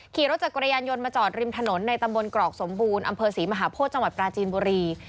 ขี่รถจักรยานยนต์มาจอดริมถนนในตำบลกรอกสมบูรณ์อำเภอศรีมหาโพธิจังหวัดปราจีนบุรี